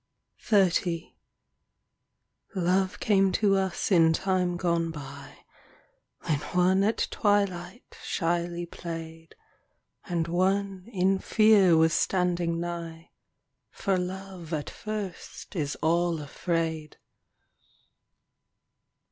XXX Love came to us in time gone by When one at twilight shyly played And one in fear was standing nigh — For Love at first is all afraid.